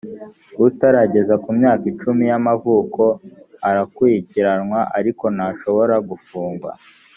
utarageza ku myaka icumi y’ amavuko arakurikiranwa ariko ntashobora gufungwa